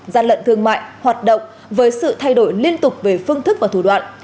gian lận thương mại hoạt động với sự thay đổi liên tục về phương thức và thủ đoạn